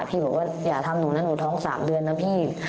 พี่บอกว่าอย่าทำหนูนะหนูท้อง๓เดือนนะพี่